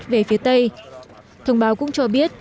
về phía tây thông báo cũng cho biết